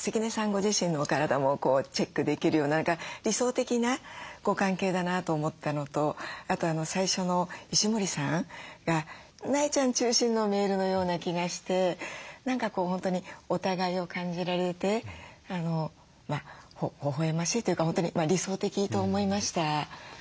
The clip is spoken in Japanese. ご自身のお体もチェックできるような理想的なご関係だなと思ったのとあと最初の石森さんが苗ちゃん中心のメールのような気がして何か本当にお互いを感じられてほほえましいというか本当に理想的と思いました。